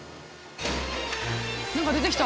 なんか出てきた！